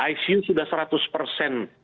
ico sudah seratus persen